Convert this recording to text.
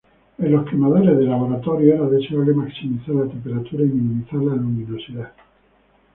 En los quemadores de laboratorio era deseable maximizar la temperatura y minimizar la luminosidad.